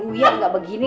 uyang gak begini